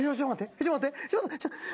ちょっと待って。